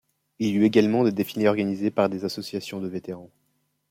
Il y eut également des défilés organisés par des associations de vétérans.